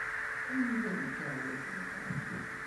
Anwa lkaɣeḍ i tebɣam?